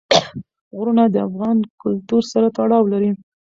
غرونه د افغان کلتور سره تړاو لري.